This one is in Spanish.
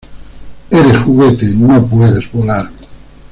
¡ Eres juguete! ¡ no puedes volar!